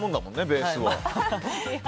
ベースは。